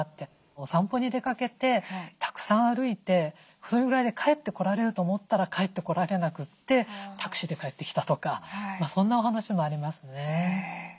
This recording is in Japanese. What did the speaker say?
お散歩に出かけてたくさん歩いてそれぐらいで帰ってこられると思ったら帰ってこられなくてタクシーで帰ってきたとかそんなお話もありますね。